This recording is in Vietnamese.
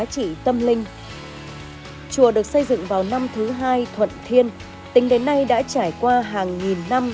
chùa được xây dựng vào năm thứ hai thuận thiên tính đến nay đã trải qua hàng nghìn năm